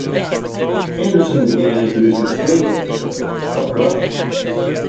Anderson began introducing slave labor to cut production costs.